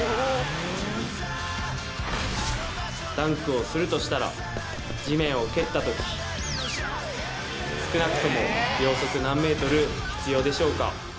ダンクをするとしたら地面を蹴った時少なくとも秒速何ｍ必要でしょうか？